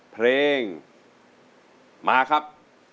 เพลงมาครับ